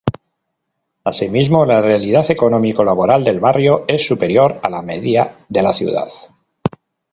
Asimismo, la realidad económico-laboral del barrio es superior a la media de la ciudad.